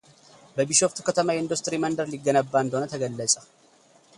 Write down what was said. በቢሾፍቱ ከተማ የኢንዱስትሪ መንደር ሊገነባ እንደሆነ ተገለጸ፡፡